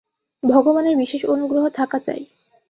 ভগবানের বিশেষ অনুগ্রহ থাকা চাই।